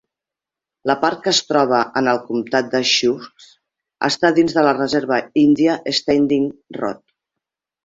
La part que es troba en el comtat de Sioux està dins de la reserva índia Standing Rock.